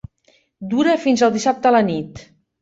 Dura fins al dissabte a la nit.